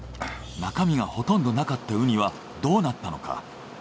中身がほとんどなかったウニはどうなったのか？